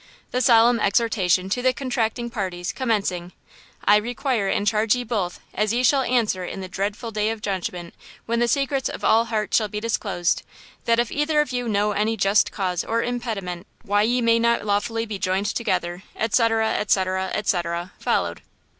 The solemn exhortation to the contracting parties, commencing "I require and charge ye both, as ye shall answer in the dreadful day of judgment when the secrets of all hearts shall be disclosed, that if either of you know any just cause or impediment why ye may not lawfully be joined together, etc., etc., etc., followed.